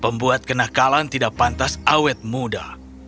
membuat kenakalan tidak pantas awet muda